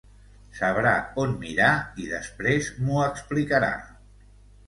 Sabrà on mirar i després m'ho explicarà.